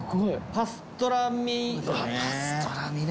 パストラミね。